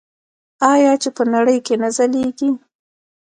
آیا چې په نړۍ کې نه ځلیږي؟